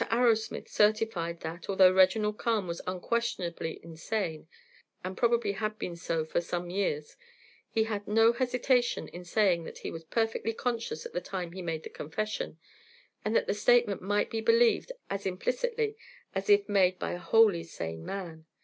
Arrowsmith certified that, although Reginald Carne was unquestionably insane, and probably had been so for some years, he had no hesitation in saying that he was perfectly conscious at the time he made the confession, and that the statement might be believed as implicitly as if made by a wholly sane man.